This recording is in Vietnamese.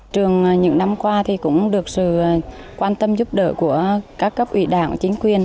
trường những năm qua thì cũng được sự quan tâm giúp đỡ của các cấp ủy đảng chính quyền